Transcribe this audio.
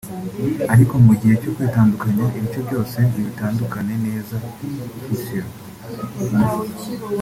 ariko mu gihe cyo kwitandukanya ibice byose ntibitandukane neza (fission)